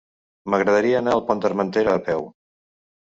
M'agradaria anar al Pont d'Armentera a peu.